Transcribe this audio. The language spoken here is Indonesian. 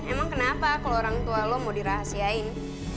emang kenapa kalo orang tua lu mau dirahasiain